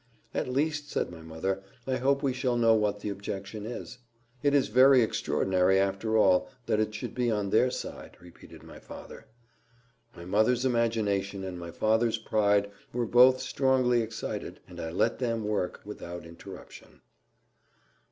"At least," said my mother, "I hope we shall know what the objection is." "It is very extraordinary, after all, that it should be on their side," repeated my father. My mother's imagination, and my father's pride, were both strongly excited; and I let them work without interruption.